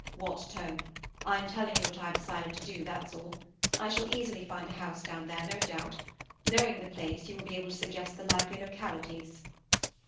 "What tone? I am telling you what I have decided to do, that's all. I shall easily find a house down there, no doubt. Knowing the place, you will be able to suggest the likely localities."